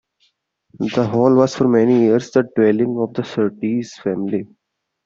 The Hall was for many years the dwelling of the Surtees family.